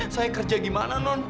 saya kerja gimana non